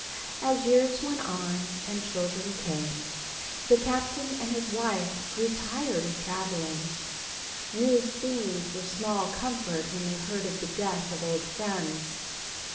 As years went and children came, the Captain and his wife grew tired of traveling. New scenes were small comfort when they heard of the death of old friends.